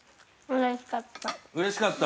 ◆うれしかった。